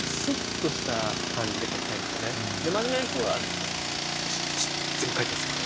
真面目な人は何かこうピシッピシッ全部書いてあるんですよ。